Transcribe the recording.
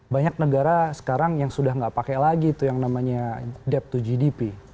banyak negara sekarang yang sudah nggak pakai lagi tuh yang namanya debt to gdp